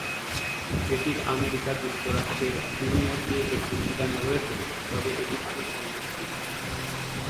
এটির আমেরিকা যুক্তরাষ্ট্রের নিউইয়র্কে একটি ঠিকানা রয়েছে তবে এটি পাকিস্তান ভিত্তিক।